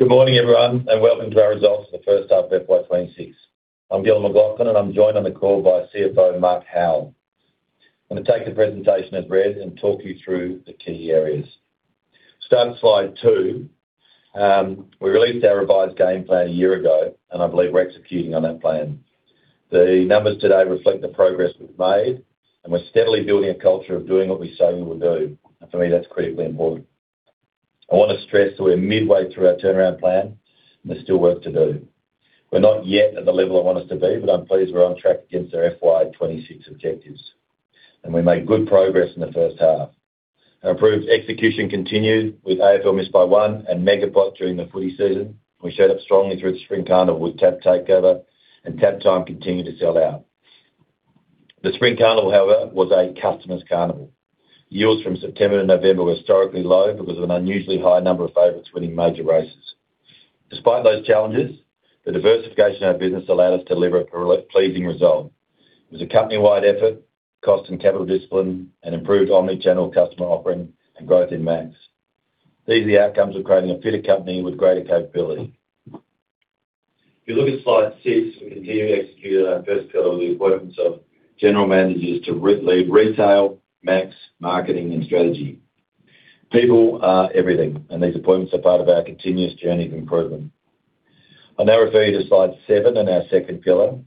Good morning, everyone, welcome to our results for the first half of FY26. I'm Gil McLachlan, and I'm joined on the call by CFO, Mark Howell. I'm gonna take the presentation as read and talk you through the key areas. Starting slide 2, we released our revised game plan a year ago, and I believe we're executing on that plan. The numbers today reflect the progress we've made, and we're steadily building a culture of doing what we say we will do, and for me, that's critically important. I wanna stress that we're midway through our turnaround plan, and there's still work to do. We're not yet at the level I want us to be, but I'm pleased we're on track against our FY26 objectives, and we made good progress in the first half. Our improved execution continued with AFL Miss By One and MegaPot during the footy season. We showed up strongly through the Spring Carnival with TAB Takeover, TABtime continued to sell out. The Spring Carnival, however, was a customer's carnival. Yields from September to November were historically low because of an unusually high number of favorites winning major races. Despite those challenges, the diversification of our business allowed us to deliver a pleasing result. It was a company-wide effort, cost and capital discipline, an improved omni-channel customer offering, and growth in MAX. These are the outcomes of creating a fitter company with greater capability. If you look at slide 6, we continue to execute on our first pillar with the appointments of general managers to lead retail, MAX, marketing, and strategy. People are everything, and these appointments are part of our continuous journey of improvement. I now refer you to slide seven and our second pillar.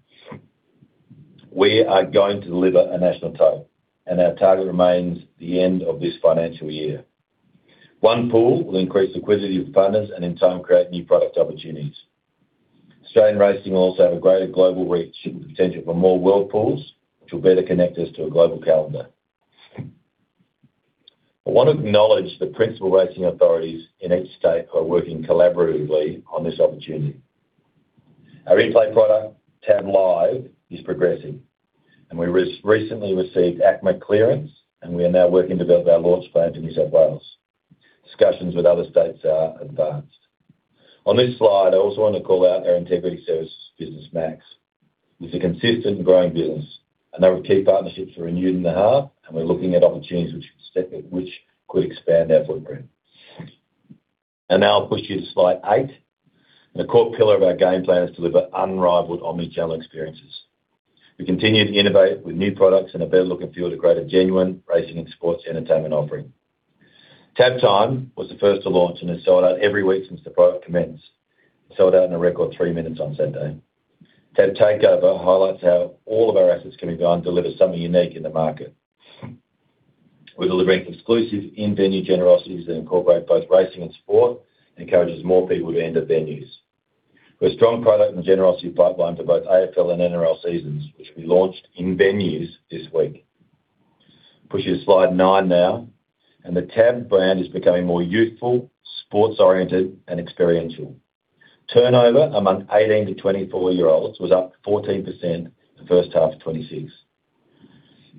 We are going to deliver a National Tote, and our target remains the end of this financial year. One pool will increase liquidity with partners and, in time, create new product opportunities. Australian racing will also have a greater global reach and potential for more World Pools, which will better connect us to a global calendar. I want to acknowledge the Principal Racing Authorities in each state are working collaboratively on this opportunity. Our replay product, TAB Live, is progressing, and we recently received ACMA clearance, and we are now working to build our launch plan to New South Wales. Discussions with other states are advanced. On this slide, I also want to call out our Integrity Services business, MAX. It's a consistent and growing business, a number of key partnerships were renewed in the heart. We're looking at opportunities which could expand our footprint. Now I'll push you to slide eight. The core pillar of our game plan is to deliver unrivaled omni-channel experiences. We continue to innovate with new products and a better look and feel to create a genuine racing and sports entertainment offering. TABtime was the first to launch and has sold out every week since the product commenced. Sold out in a record three minutes on Sunday. TAB Takeover highlights how all of our assets can be combined to deliver something unique in the market. We're delivering exclusive in-venue generosity that incorporate both racing and sport, encourages more people to enter venues. We have a strong product and generosity pipeline for both AFL and NRL seasons, which will be launched in venues this week. Pushing to slide 9 now, the TAB brand is becoming more youthful, sports-oriented, and experiential. Turnover among 18-24-year-olds was up 14% in the first half of 2026.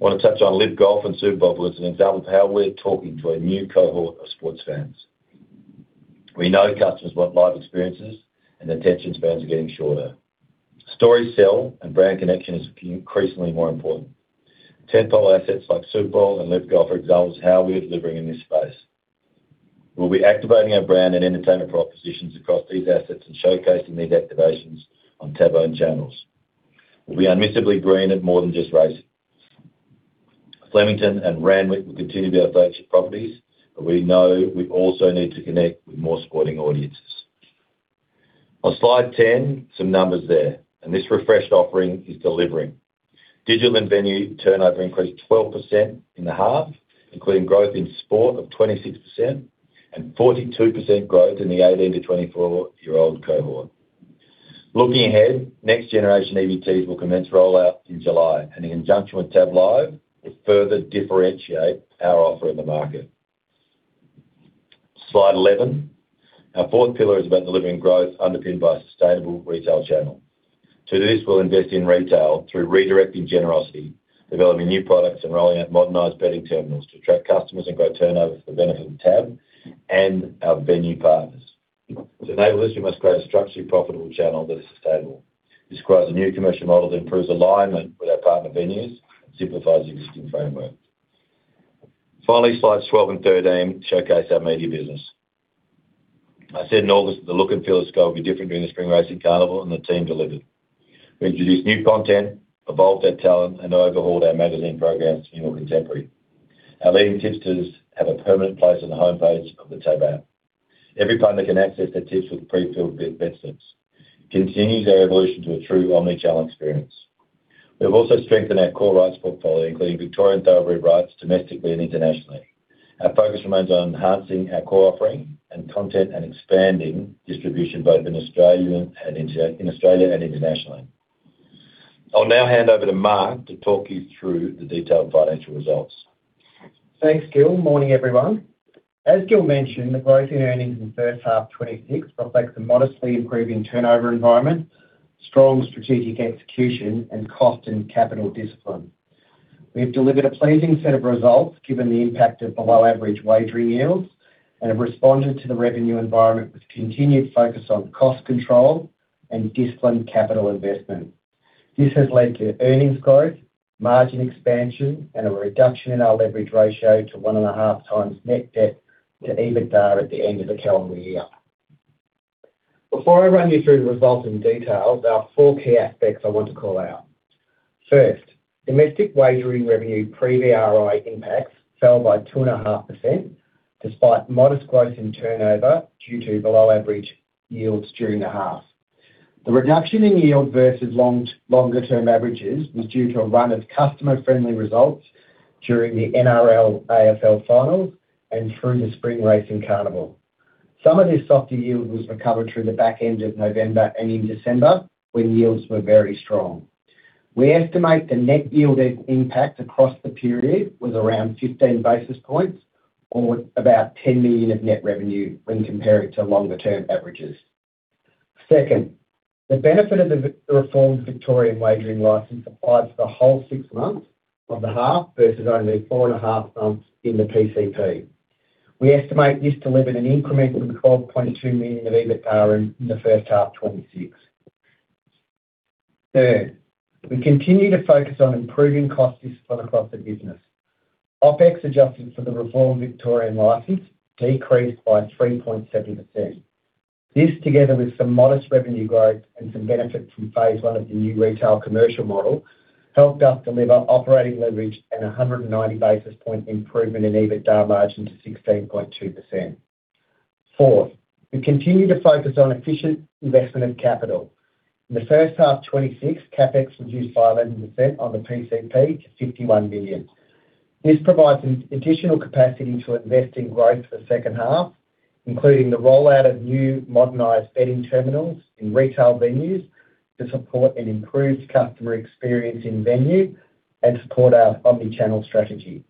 I want to touch on LIV Golf and Super Bowl as an example of how we're talking to a new cohort of sports fans. We know customers want live experiences, attention spans are getting shorter. Stories sell, brand connection is increasingly more important. Tent-pole assets like Super Bowl and LIV Golf are examples of how we are delivering in this space. We'll be activating our brand and entertainment propositions across these assets and showcasing these activations on TAB-owned channels. We'll be unmissably green at more than just racing. Flemington and Randwick will continue to be our flagship properties. We know we also need to connect with more sporting audiences. On slide 10, some numbers there. This refreshed offering is delivering. Digital and venue turnover increased 12% in the half, including growth in sport of 26% and 42% growth in the 18 to 24-year-old cohort. Looking ahead, next generation EBTs will commence rollout in July. In conjunction with TAB Live, will further differentiate our offer in the market. Slide 11. Our fourth pillar is about delivering growth underpinned by a sustainable retail channel. To do this, we'll invest in retail through redirecting generosity, developing new products, and rolling out modernized betting terminals to attract customers and grow turnover for the benefit of TAB and our venue partners. To enable this, we must create a structurally profitable channel that is sustainable. This requires a new commercial model that improves alignment with our partner venues, simplifies the existing framework. Finally, slides 12 and 13 showcase our media business. I said in August that the look and feel of Sky would be different during the Spring Racing Carnival, and the team delivered. We introduced new content, evolved our talent, and overhauled our magazine programs to be more contemporary. Our leading tipsters have a permanent place on the homepage of the TAB app. Every punter can access their tips with prefilled bet slips, continues our evolution to a true omni-channel experience. We've also strengthened our core rights portfolio, including Victorian thoroughbred rights, domestically and internationally. Our focus remains on enhancing our core offering and content, and expanding distribution both in Australia and in Australia and internationally. I'll now hand over to Mark to talk you through the detailed financial results. Thanks Gil. Morning, everyone. As Gil mentioned, the growth in earnings in the first half of 2026 reflects a modestly improving turnover environment, strong strategic execution, and cost and capital discipline. We have delivered a pleasing set of results, given the impact of below-average wagering yields, and have responded to the revenue environment with continued focus on cost control and disciplined capital investment. This has led to earnings growth, margin expansion, and a reduction in our leverage ratio to 1.5 times net debt to EBITDA at the end of the calendar year. Before I run you through the results in detail, there are four key aspects I want to call out. First, domestic wagering revenue pre-VRI impacts fell by 2.5%, despite modest growth in turnover due to below-average yields during the half. The reduction in yield versus longer-term averages was due to a run of customer-friendly results during the NRL AFL finals and through the Spring Racing Carnival. Some of this softer yield was recovered through the back end of November and in December, when yields were very strong. We estimate the net yielded impact across the period was around 15 basis points or about 10 million of net revenue when comparing to longer-term averages. Second, the benefit of the reformed Victorian Wagering License applied for the whole six months of the half, versus only four half months in the PCP. We estimate this delivered an increment of 12.2 million of EBITDAR in the first half 2026. Third, we continue to focus on improving costs from across the business. OpEx, adjusted for the reformed Victorian Wagering License, decreased by 3.7%. This, together with some modest revenue growth and some benefit from phase I of the new retail commercial model, helped us deliver operating leverage and a 190 basis point improvement in EBITDA margin to 16.2%. Fourth, we continue to focus on efficient investment of capital. In the first half 2026, CapEx reduced by 11% on the PCP to 51 million. This provides an additional capacity to invest in growth for the second half, including the rollout of new modernized betting terminals in retail venues to support an improved customer experience in venue and support our omni-channel strategy.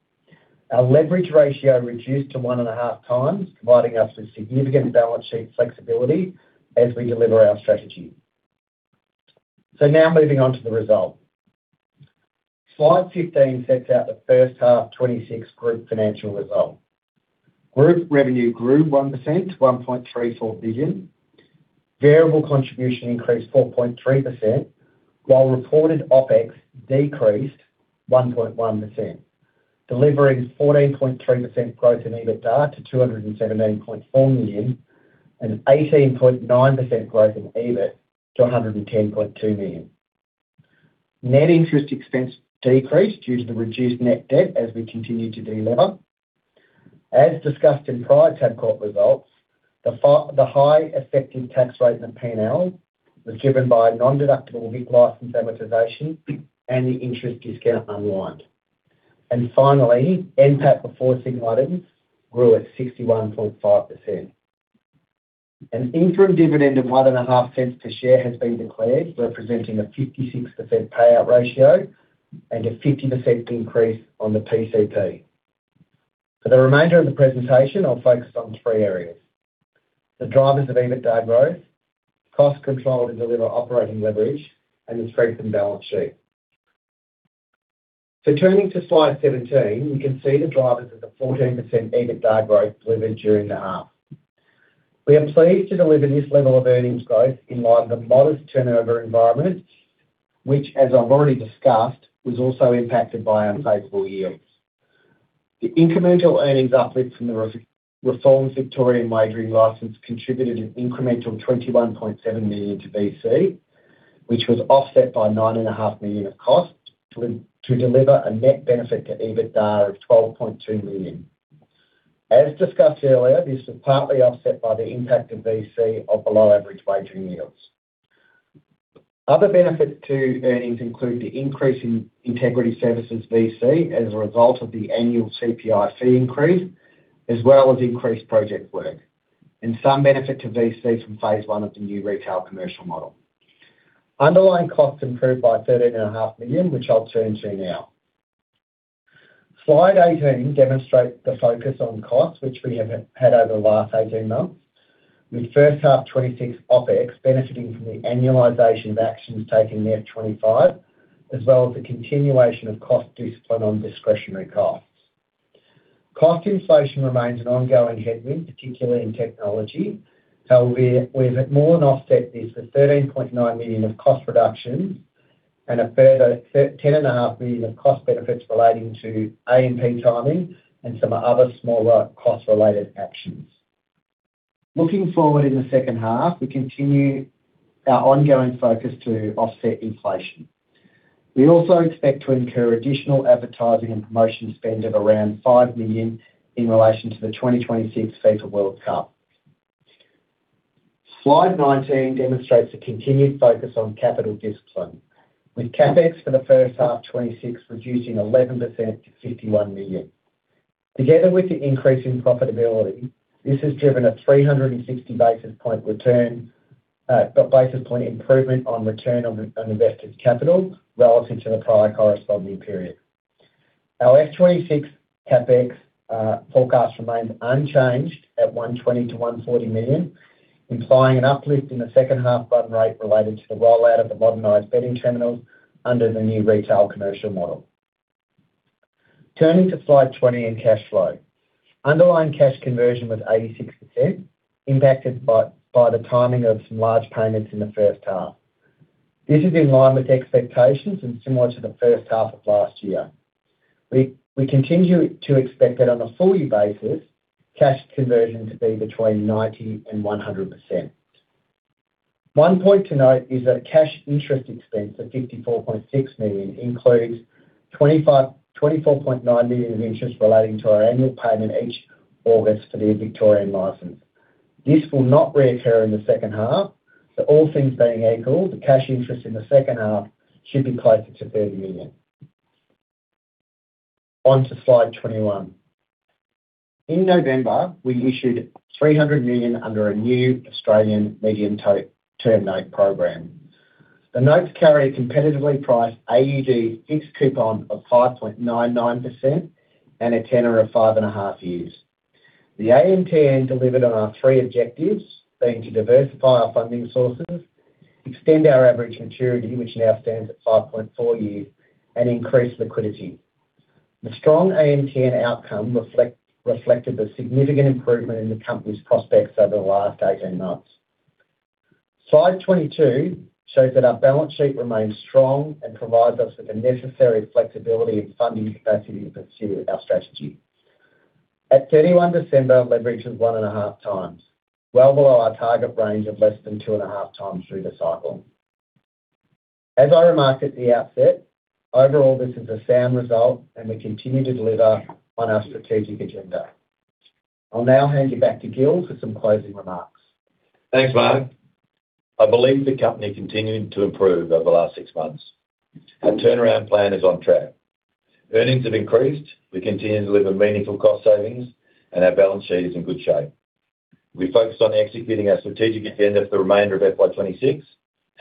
Our leverage ratio reduced to 1.5x, providing us with significant balance sheet flexibility as we deliver our strategy. Now moving on to the result. Slide 15 sets out the first half, 2026 group financial results. Group revenue grew 1% to 1.34 billion. Variable contribution increased 4.3%, while reported OpEx decreased 1.1%, delivering 14.3% growth in EBITDA to 217.4 million, and 18.9% growth in EBIT to 110.2 million. Net interest expense decreased due to the reduced net debt as we continue to delever. As discussed in prior Tabcorp results, the high effective tax rate in the PNL was driven by non-deductible VIP license amortization and the interest discount unwind. Finally, NPAT before significant items grew at 61.5%. An interim dividend of 0.015 per share has been declared, representing a 56% payout ratio and a 50% increase on the PCP. For the remainder of the presentation, I'll focus on three areas: the drivers of EBITDA growth, cost control to deliver operating leverage, and the strengthened balance sheet. Turning to slide 17, we can see the drivers of the 14% EBITDA growth delivered during the half. We are pleased to deliver this level of earnings growth in line with the modest turnover environment, which, as I've already discussed, was also impacted by unfavorable yields. The incremental earnings uplift from the Reformed Victorian Wagering License contributed an incremental 21.7 million to VC, which was offset by 9.5 million of costs, to deliver a net benefit to EBITDA of 12.2 million. As discussed earlier, this is partly offset by the impact of VC of below-average wagering yields. Other benefits to earnings include the increase in Integrity Services VC, as a result of the annual CPI fee increase, as well as increased project work, and some benefit to VC from phase I of the new retail commercial model. Underlying costs improved by 13.5 million, which I'll turn to now. Slide 18 demonstrates the focus on costs, which we have had over the last 18 months, with first half 26 OpEx benefiting from the annualization of actions taken in F 25, as well as the continuation of cost discipline on discretionary costs. Cost inflation remains an ongoing headwind, particularly in technology, we've more than offset this with 13.9 million of cost reductions and a further 10.5 million of cost benefits relating to A&P timing and some other smaller cost-related actions. Looking forward in the second half, we continue our ongoing focus to offset inflation. We also expect to incur additional advertising and promotion spend of around 5 million in relation to the 2026 FIFA World Cup. Slide 19 demonstrates a continued focus on capital discipline, with CapEx for the first half 26 reducing 11% to 51 million. Together with the increase in profitability, this has driven a 360 basis point return, basis point improvement on return on invested capital relative to the prior corresponding period. Our F26 CapEx forecast remains unchanged at 120 million to 140 million, implying an uplift in the second half run rate related to the rollout of the modernized betting terminals under the new retail commercial model. Turning to slide 20 and cash flow. Underlying cash conversion was 86%, impacted by the timing of some large payments in the first half. This is in line with expectations and similar to the first half of last year. We continue to expect that on a full year basis, cash conversion to be between 90% and 100%. One point to note is that cash interest expense of 54.6 million includes 24.9 million of interest relating to our annual payment each August for the Victorian license. This will not recur in the second half. All things being equal, the cash interest in the second half should be closer to 30 million. On to slide 21. In November, we issued 300 million under a new Australian Medium Term Note Programme. The notes carry a competitively priced AEG fixed coupon of 5.99% and a tenor of five and a half years. The AMTN delivered on our three objectives, being to diversify our funding sources, extend our average maturity, which now stands at 5.4 years, and increase liquidity. The strong AMTN outcome reflected the significant improvement in the company's prospects over the last 18 months. Slide 22 shows that our balance sheet remains strong and provides us with the necessary flexibility and funding capacity to pursue our strategy. At 31 December, leverage was 1.5 times, well below our target range of less than 2.5 times through the cycle. As I remarked at the outset, overall, this is a sound result, and we continue to deliver on our strategic agenda. I'll now hand you back to Gil for some closing remarks. Thanks, Mark. I believe the company continued to improve over the last six months. Our turnaround plan is on track. Earnings have increased, we continue to deliver meaningful cost savings, and our balance sheet is in good shape. We focused on executing our strategic agenda for the remainder of FY26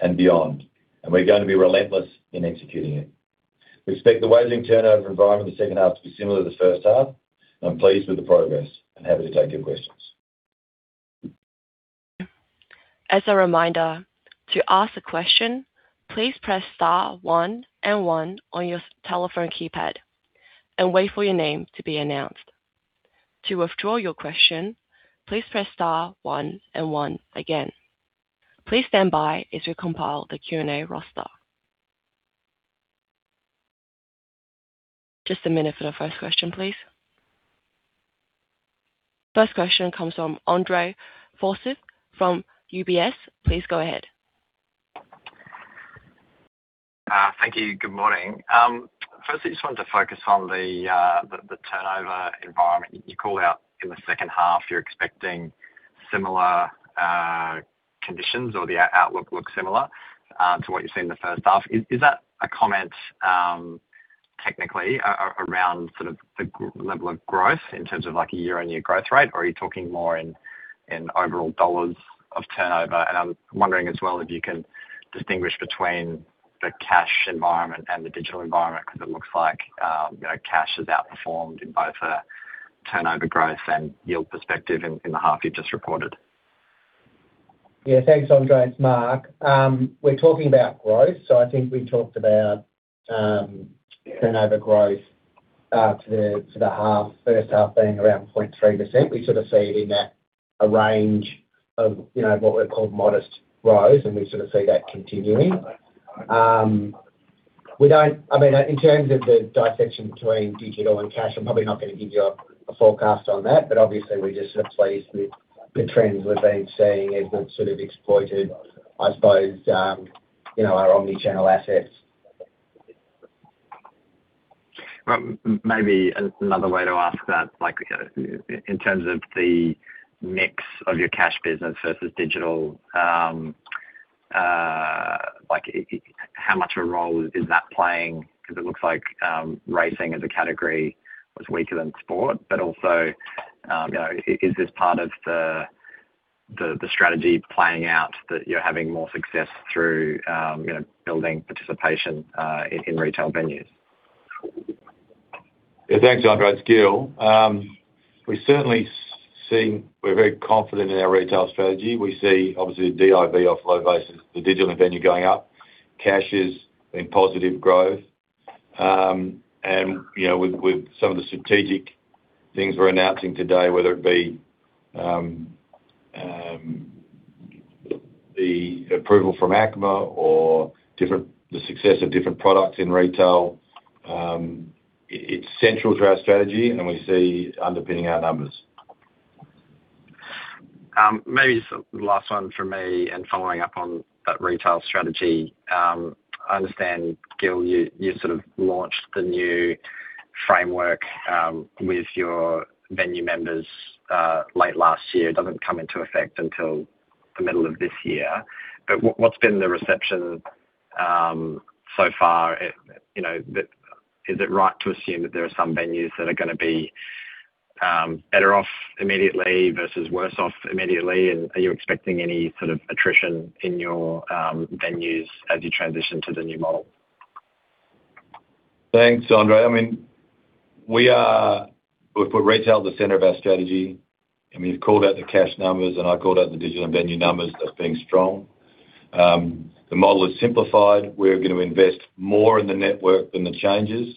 and beyond, and we're going to be relentless in executing it. We expect the wagering turnover environment in the second half to be similar to the first half. I'm pleased with the progress and happy to take your questions. As a reminder, to ask a question, please press star one and one on your telephone keypad and wait for your name to be announced. To withdraw your question, please press star one and one again. Please stand by as we compile the Q&A roster. Just a minute for the first question, please. First question comes from Andre Fromyhr from UBS. Please go ahead. Thank you. Good morning. Firstly, I just wanted to focus on the turnover environment. You call out in the second half, you're expecting similar conditions or the outlook looks similar to what you saw in the first half. Is that a comment, technically, around sort of the level of growth in terms of like a year-on-year growth rate? Or are you talking more in overall dollars of turnover? I'm wondering as well, if you can distinguish between the cash environment and the digital environment, because it looks like, you know, cash has outperformed in both a turnover growth and yield perspective in the half you've just reported. Yeah, thanks, Andre. It's Mark. We're talking about growth. I think we talked about turnover growth to the half, first half being around 0.3%. We sort of see it in that range of, you know, what we'd call modest growth, and we sort of see that continuing. I mean, in terms of the dissection between digital and cash, I'm probably not going to give you a forecast on that, but obviously we're just pleased with the trends we've been seeing as we've sort of exploited, I suppose, you know, our omni-channel assets. maybe another way to ask that, like, in terms of the mix of your cash business versus digital, how much a role is that playing? It looks like, racing as a category was weaker than sport, but also, you know, is this part of the, the strategy playing out, that you're having more success through, you know, building participation, in retail venues? Yeah, thanks, Andre. It's Gil. We're very confident in our retail strategy. We see obviously the DIV off flow basis, the digital and venue going up. Cash is in positive growth. You know, with some of the strategic things we're announcing today, whether it be the approval from ACMA or the success of different products in retail, it's central to our strategy, and we see underpinning our numbers. Maybe just the last one from me, and following up on that retail strategy. I understand, Gil, you sort of launched the new framework with your venue members late last year. It doesn't come into effect until the middle of this year, but what's been the reception so far? You know, is it right to assume that there are some venues that are gonna be better off immediately versus worse off immediately? And are you expecting any sort of attrition in your venues as you transition to the new model? Thanks, Andre. I mean, we've put retail at the center of our strategy, and we've called out the cash numbers, and I called out the digital and venue numbers as being strong. The model is simplified. We're gonna invest more in the network than the changes.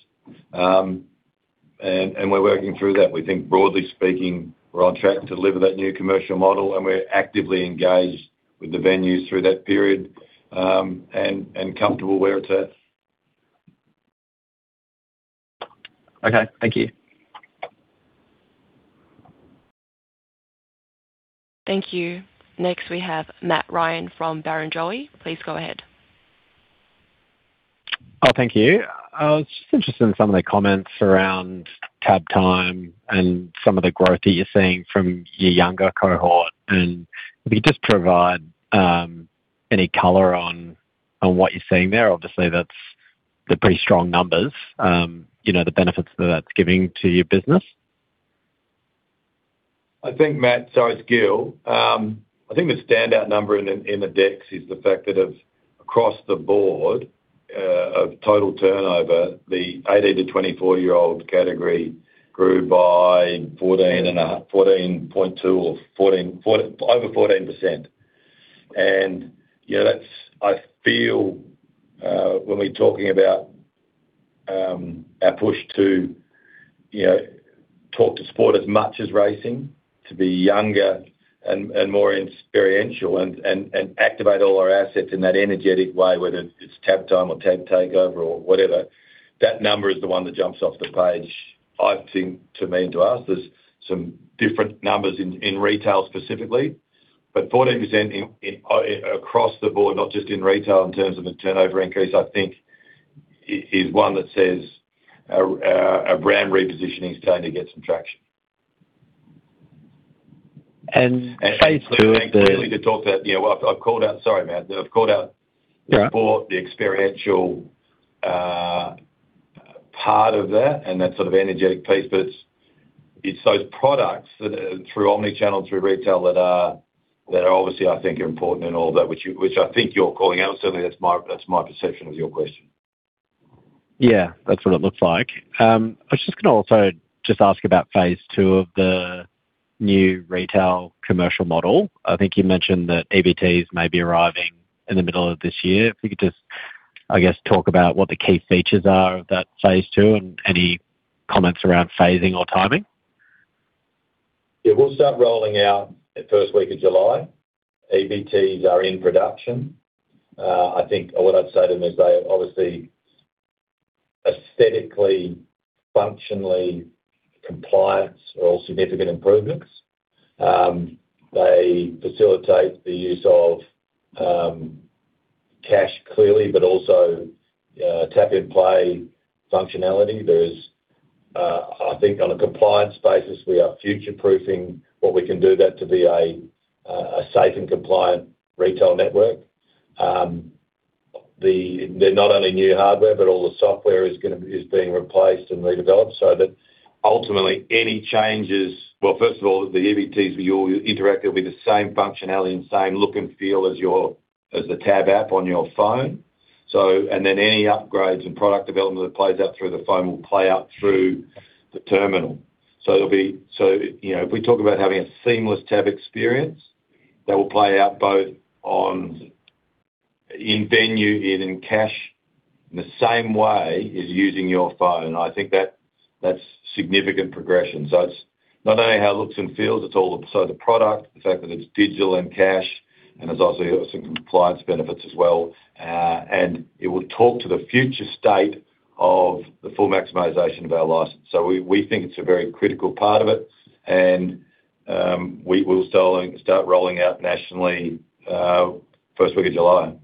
We're working through that. We think, broadly speaking, we're on track to deliver that new commercial model, and we're actively engaged with the venues through that period, and comfortable where it's at. Okay. Thank you. Thank you. Next, we have Matt Ryan from Barrenjoey. Please go ahead. Thank you. I was just interested in some of the comments around TABtime and some of the growth that you're seeing from your younger cohort, and if you could just provide, any color on what you're seeing there. Obviously, that's the pretty strong numbers, you know, the benefits that that's giving to your business. I think, Matt, sorry, it's Gil. I think the standout number in the, in the decks is the fact that of, across the board, of total turnover, the 18-24-year-old category grew by 14.5, 14.2 or over 14%. You know, that's. I feel, when we're talking about, our push to, you know, talk to sport as much as racing, to be younger and more experiential and activate all our assets in that energetic way, whether it's TABtime or TAB Takeover or whatever, that number is the one that jumps off the page, I think, to me and to us. There's some different numbers in retail specifically, but 14% in across the board, not just in retail, in terms of a turnover increase, I think is one that says our brand repositioning is starting to get some traction. phase II. Quickly to talk about, you know, Sorry, Matt. I've called out. Right... the sport, the experiential, part of that and that sort of energetic piece, but it's those products that, through omni-channel, through retail, that are obviously, I think, are important in all that, which you, which I think you're calling out. Certainly, that's my, that's my perception of your question. Yeah, that's what it looks like. I was just gonna also just ask about phase II of the new retail commercial model. I think you mentioned that EBTs may be arriving in the middle of this year. If you could just, I guess, talk about what the key features are of that phase II, and any comments around phasing or timing? We'll start rolling out the first week of July. EBTs are in production. I think what I'd say to them is they are obviously aesthetically, functionally compliance or significant improvements. They facilitate the use of cash, clearly, but also Tap to Pay functionality. There is, I think on a compliance basis, we are future-proofing what we can do that to be a safe and compliant retail network. They're not only new hardware, but all the software is being replaced and redeveloped, so that ultimately, any changes... First of all, the EBTs will interact with the same functionality and same look and feel as your, as the TAB app on your phone. Any upgrades and product development that plays out through the phone will play out through the terminal. You know, if we talk about having a seamless TAB experience, that will play out both on, in venue, in cash, in the same way as using your phone. I think that's significant progression. It's not only how it looks and feels, it's also the product, the fact that it's digital and cash, and there's also some compliance benefits as well. It will talk to the future state of the full maximization of our license. We think it's a very critical part of it, we will start rolling out nationally, first week of July.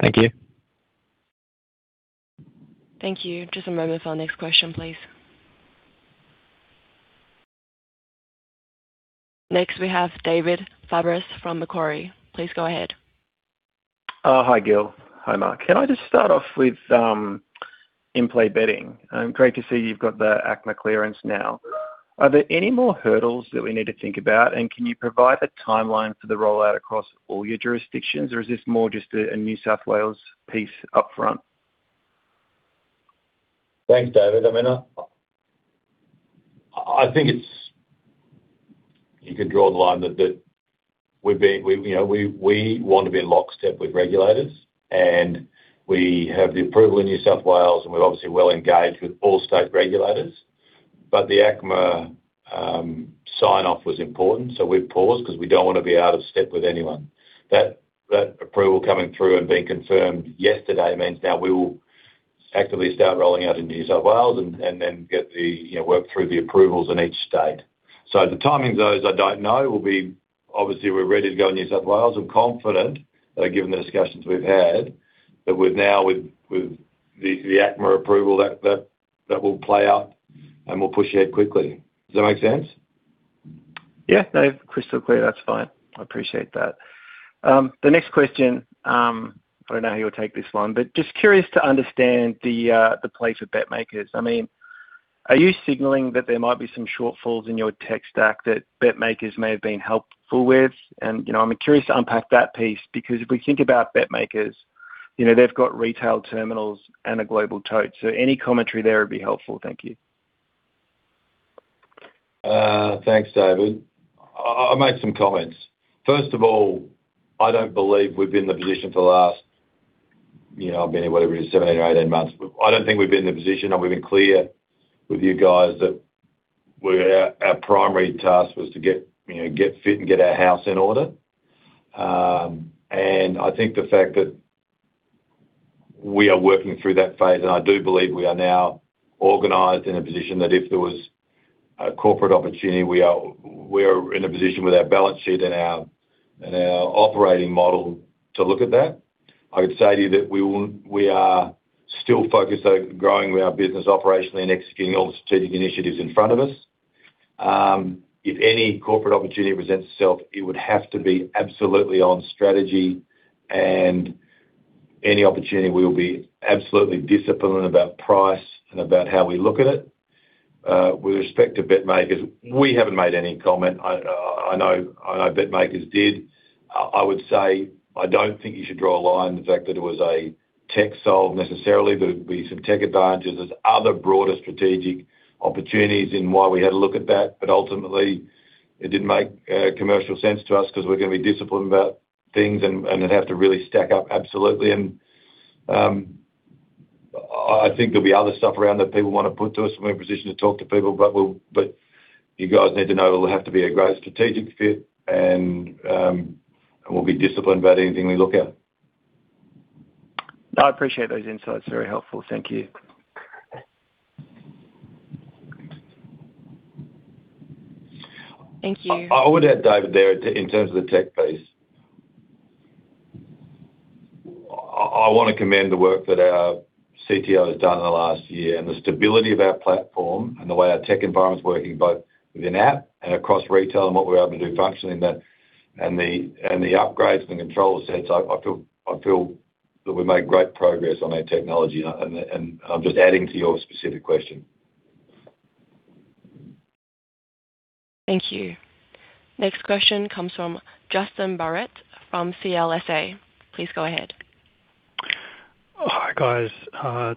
Thank you. Thank you. Just a moment for our next question, please. Next, we have David Fabris from Macquarie. Please go ahead. Hi, Gil. Hi, Mark. Can I just start off with In-play betting? Great to see you've got the ACMA clearance now. Are there any more hurdles that we need to think about, and can you provide a timeline for the rollout across all your jurisdictions, or is this more just a New South Wales piece up front? Thanks, David. I mean, I think it's... You can draw the line that we, you know, we want to be in lockstep with regulators, and we have the approval in New South Wales, and we're obviously well engaged with all state regulators, but the ACMA sign-off was important, so we paused 'cause we don't wanna be out of step with anyone. That approval coming through and being confirmed yesterday means now we will actively start rolling out in New South Wales and then get the, you know, work through the approvals in each state. The timing of those, I don't know, will be obviously, we're ready to go in New South Wales. I'm confident, given the discussions we've had, that with now, with the ACMA approval, that will play out and we'll push ahead quickly. Does that make sense? Yeah, no, crystal clear. That's fine. I appreciate that. The next question, I don't know how you'll take this one, but just curious to understand the place of BetMakers. I mean, are you signaling that there might be some shortfalls in your tech stack that BetMakers may have been helpful with? You know, I'm curious to unpack that piece, because if we think about BetMakers, you know, they've got retail terminals and a global tote, any commentary there would be helpful. Thank you. Thanks, David. I'll make some comments. First of all, I don't believe we've been in the position for the last, you know, I've been here, whatever it is, 17 or 18 months. I don't think we've been in the position, and we've been clear with you guys that our primary task was to get, you know, get fit and get our house in order. I think the fact that we are working through that phase, and I do believe we are now organized in a position that if there was a corporate opportunity, we are in a position with our balance sheet and our operating model to look at that. I would say to you that we are still focused on growing our business operationally and executing all the strategic initiatives in front of us. If any corporate opportunity presents itself, it would have to be absolutely on strategy. Any opportunity, we will be absolutely disciplined about price and about how we look at it. With respect to BetMakers, we haven't made any comment. I know BetMakers did. I would say, I don't think you should draw a line, the fact that it was a tech solve necessarily. It would be some tech advantages. There's other broader strategic opportunities in why we had a look at that. Ultimately it didn't make commercial sense to us because we're gonna be disciplined about things and it'd have to really stack up absolutely. I think there'll be other stuff around that people wanna put to us. We're in a position to talk to people. You guys need to know it'll have to be a great strategic fit. We'll be disciplined about anything we look at. I appreciate those insights. Very helpful. Thank you. Thank you. I would add, David, there, in terms of the tech piece. I wanna commend the work that our CTO has done in the last year, and the stability of our platform, and the way our tech environment's working, both within app and across retail, and what we're able to do functionally in that, and the upgrades and the control sets. I feel that we've made great progress on our technology, and I'm just adding to your specific question. Thank you. Next question comes from Justin Barratt, from CLSA. Please go ahead. Hi, guys.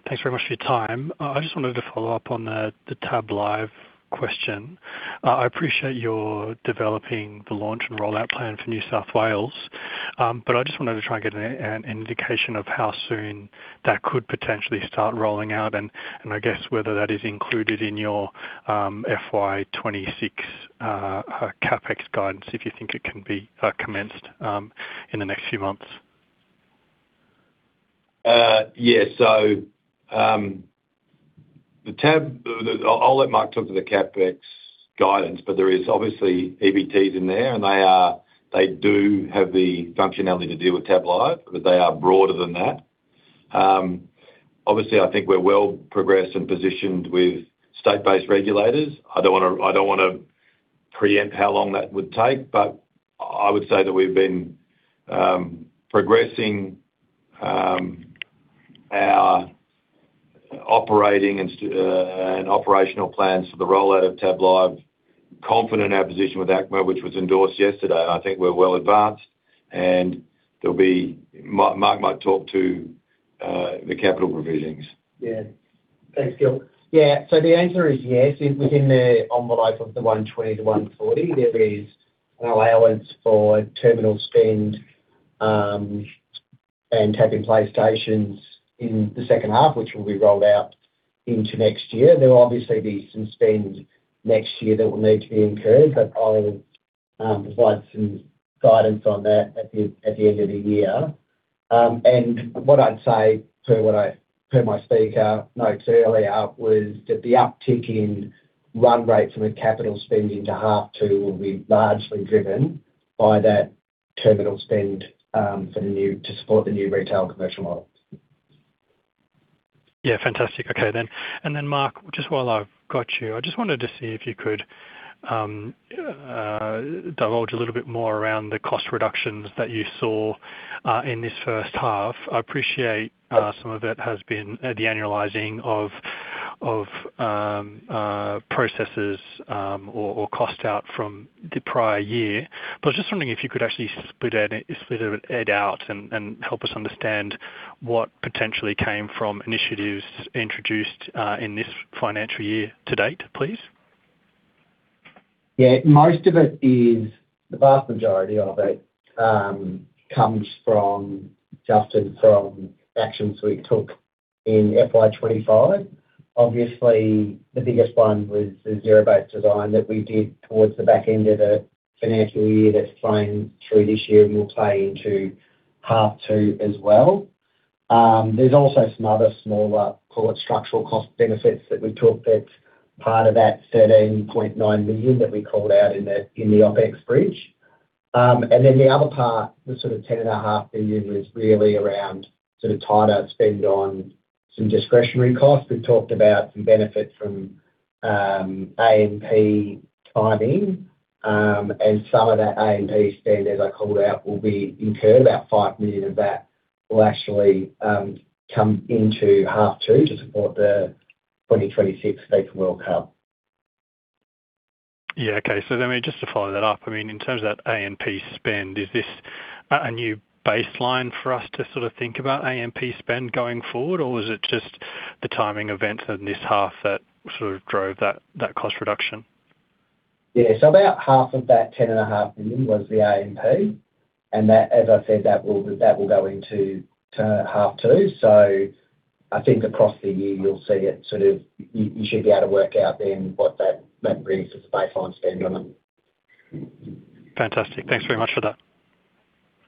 Thanks very much for your time. I just wanted to follow up on the TAB Live question. I appreciate you're developing the launch and rollout plan for New South Wales, but I just wanted to try and get an indication of how soon that could potentially start rolling out, and I guess whether that is included in your FY26 CapEx guidance, if you think it can be commenced in the next few months. Yeah. I'll let Mark talk to the CapEx guidance, but there is obviously EBTs in there, and they do have the functionality to deal with TAB Live, but they are broader than that. Obviously, I think we're well progressed and positioned with state-based regulators. I don't wanna preempt how long that would take, but I would say that we've been progressing our operating and operational plans for the rollout of TAB Live. Confident in our position with ACMA, which was endorsed yesterday, I think we're well advanced, and there'll be Mark might talk to the capital provisions. Thanks, Gil. The answer is yes, it's within the envelope of the 120-140. There is an allowance for terminal spend, and TAB In-play stations in the second half, which will be rolled out into next year. There will obviously be some spend next year that will need to be incurred. I'll provide some guidance on that at the end of the year. What I'd say to what I per my speaker notes earlier, was that the uptick in run rate from a capital spend into half two will be largely driven by that terminal spend to support the new retail commercial model. Yeah. Fantastic. Okay, then. Mark, just while I've got you, I just wanted to see if you could divulge a little bit more around the cost reductions that you saw in this first half. I appreciate some of it has been the annualizing of processes or cost out from the prior year. I was just wondering if you could actually split it with Ed out and help us understand what potentially came from initiatives introduced in this financial year to date, please. Yeah. Most of it is, the vast majority of it, comes from Justin, from actions we took in FY 2025. Obviously, the biggest one was the zero-based design that we did towards the back end of the financial year that's flowing through this year and will play into half two as well. There's also some other smaller, call it, structural cost benefits that we've took that's part of that 13.9 billion that we called out in the OpEx bridge. The other part, the sort of 10.5 billion, was really around sort of tighter spend on some discretionary costs. We've talked about some benefit from AMP timing, and some of that AMP spend, as I called out, will be incurred. About 5 million of that will actually come into half two to support the 2026 FIFA World Cup. Yeah. Okay, just to follow that up, I mean, in terms of that AMP spend, is this a new baseline for us to sort of think about AMP spend going forward? Or was it just the timing event in this half that sort of drove that cost reduction? Yeah, about half of that ten and a half million was the AMP, and that, as I said, that will go into turn half two. I think across the year, you'll see it you should be able to work out then what that brings as a baseline spend on it. Fantastic. Thanks very much for that.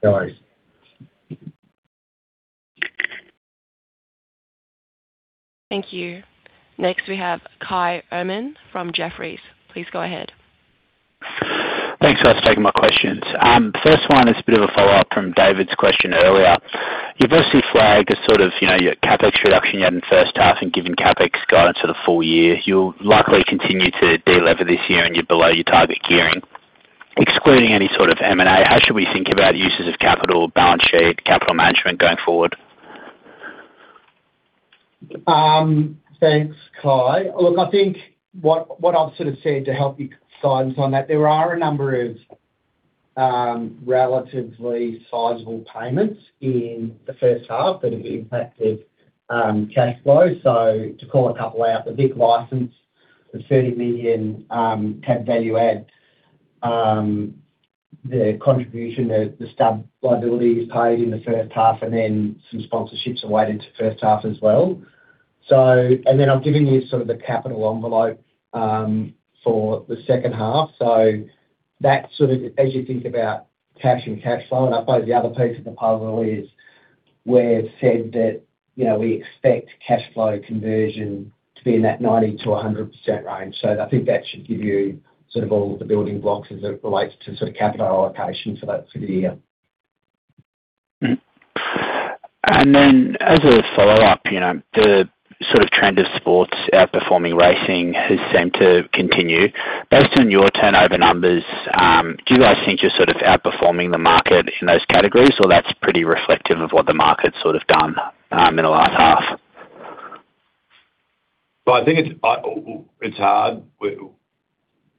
No worries. Thank you. Next, we have David Katz from Jefferies. Please go ahead. Thanks for taking my questions. First one is a bit of a follow-up from David's question earlier. You've obviously flagged a sort of your CapEx reduction you had in the first half and given CapEx guidance for the full year, you'll likely continue to delever this year, and you're below your target gearing. Excluding any sort of M&A, how should we think about uses of capital, balance sheet, capital management going forward? Thanks, David Katz. Look, I think what I've sort of said to help you sign on that there are a number of relatively sizable payments in the first half that have impacted cash flow. To call a couple out, the VIC License, the 30 million TAB Value Add, the contribution, the stub liability is paid in the first half, some sponsorships are weighted to first half as well. I've given you sort of the capital envelope for the second half. That's sort of as you think about cash and cash flow, I suppose the other piece of the puzzle is, where it's said that, you know, we expect cash flow conversion to be in that 90%-100% range. I think that should give you sort of all the building blocks as it relates to sort of capital allocation for that for the year. Then, as a follow-up, you know, the sort of trend of sports outperforming racing has seemed to continue. Based on your turnover numbers, do you guys think you're sort of outperforming the market in those categories, or that's pretty reflective of what the market's sort of done in the last half? I think it's hard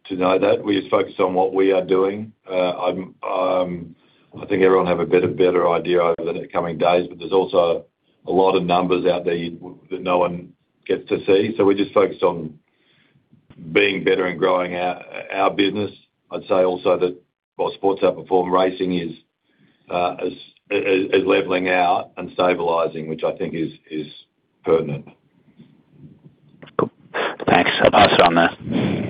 to know that. We just focus on what we are doing. I think everyone will have a better idea over the coming days, but there's also a lot of numbers out there that no one gets to see. We're just focused on being better and growing our business. I'd say also that while sports outperform, racing is leveling out and stabilizing, which I think is pertinent. Cool. Thanks. I'll pass it on there.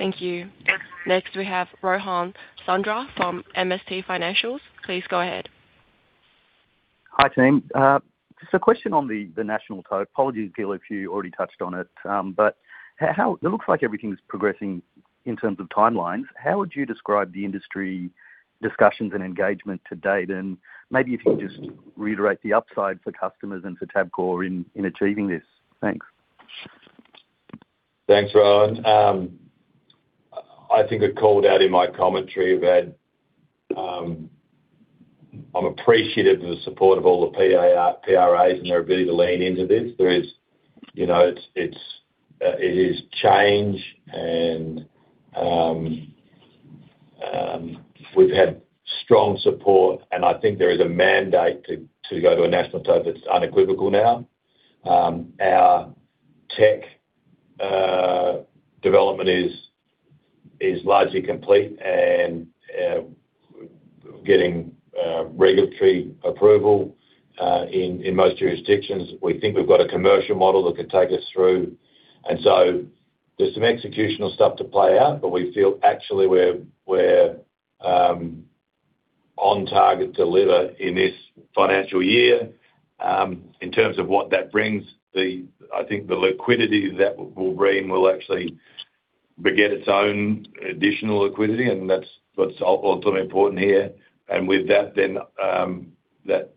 Thank you. Next, we have Rohan Sundram from MST Financial. Please go ahead. Hi, team. Just a question on the National Tote. Apologies, Gill, if you already touched on it. It looks like everything's progressing in terms of timelines. How would you describe the industry discussions and engagement to date? Maybe if you could just reiterate the upside for customers and for Tabcorp in achieving this. Thanks. Thanks, Rohan. I think I called out in my commentary that I'm appreciative of the support of all the PRAs and their ability to lean into this. There is, you know, it's change. We've had strong support, I think there is a mandate to go to a National Tote that's unequivocal now. Our tech development is largely complete and getting regulatory approval in most jurisdictions. We think we've got a commercial model that could take us through, there's some executional stuff to play out, but we feel actually we're on target to deliver in this financial year. In terms of what that brings, I think the liquidity that will bring will actually beget its own additional liquidity, that's what's ultimately important here. With that, then, that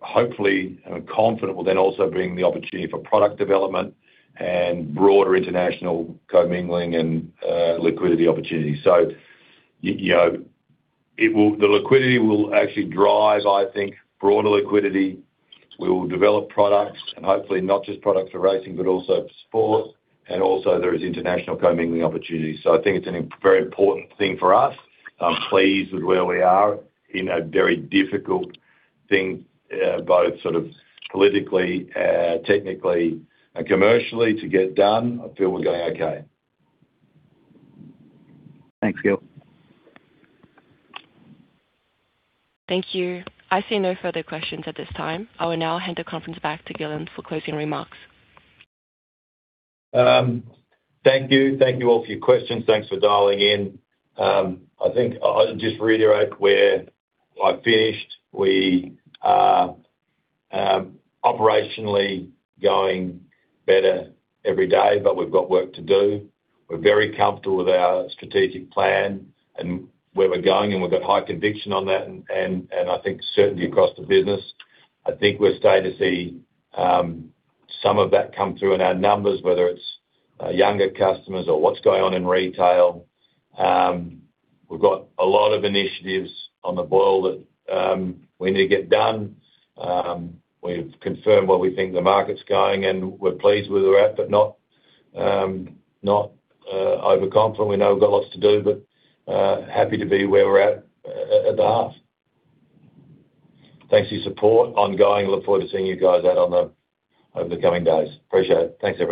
hopefully, and I'm confident, will then also bring the opportunity for product development and broader international Commingling and liquidity opportunities. You know, the liquidity will actually drive, I think, broader liquidity. We will develop products and hopefully not just products for racing, but also for sports, and also there is international Commingling opportunities. I think it's a very important thing for us. I'm pleased with where we are in a very difficult thing, both sort of politically, technically, and commercially to get done. I feel we're going okay. Thanks, Gil. Thank you. I see no further questions at this time. I will now hand the conference back to Gillon for closing remarks. Thank you. Thank you all for your questions. Thanks for dialing in. I think I'll just reiterate where I finished. We are operationally going better every day, but we've got work to do. We're very comfortable with our strategic plan and where we're going, and we've got high conviction on that, and I think certainly across the business. I think we're starting to see some of that come through in our numbers, whether it's younger customers or what's going on in retail. We've got a lot of initiatives on the board that we need to get done. We've confirmed where we think the market's going, and we're pleased with where we're at, but not not overconfident. We know we've got lots to do, but happy to be where we're at the half. Thanks for your support, ongoing. Look forward to seeing you guys out over the coming days. Appreciate it. Thanks, everyone.